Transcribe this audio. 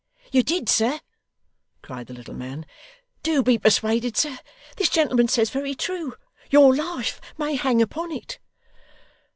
'You did, sir,' cried the little man. 'Do be persuaded, sir. This gentleman says very true. Your life may hang upon it.